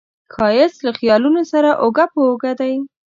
ښایست له خیالونو سره اوږه په اوږه دی